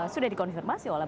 sudah dikonfirmasi oleh